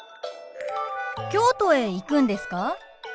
京都へ行くんですか？